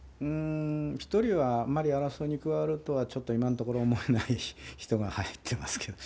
１人はあまり争いに加わるということは、ちょっと今のところ思えない人が入ってますけど。